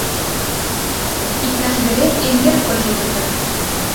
«Иктаж вере эҥер почылтын дыр.